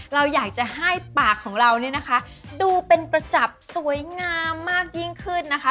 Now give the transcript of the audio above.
เราอยากจะให้ปากของเราเนี่ยนะคะดูเป็นประจับสวยงามมากยิ่งขึ้นนะคะ